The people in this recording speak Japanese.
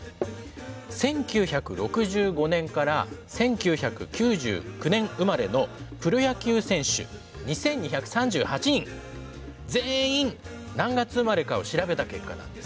１９６５年から１９９９年生まれのプロ野球選手２，２３８人全員何月生まれかを調べた結果なんです。